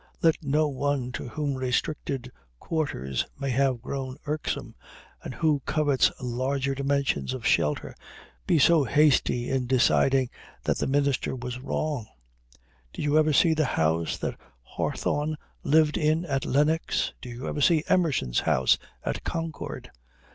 Let no one to whom restricted quarters may have grown irksome, and who covets larger dimensions of shelter, be too hasty in deciding that the minister was wrong. Did you ever see the house that Hawthorne lived in at Lenox? Did you ever see Emerson's house at Concord?